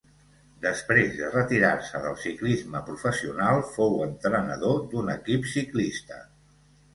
Després de retirar-se del ciclisme professional fou entrenador d'un equip ciclista.